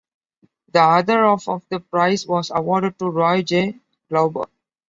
The other half of the prize was awarded to Roy J. Glauber.